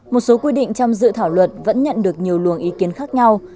một số quy định trong dự thảo luật vẫn nhận được nhiều luồng ý kiến khác nhau